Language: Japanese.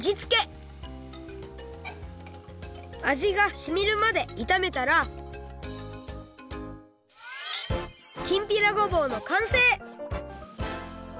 あじがしみるまでいためたらきんぴらごぼうのかんせい！